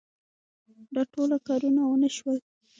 دا ټوله کارونه ونه شول.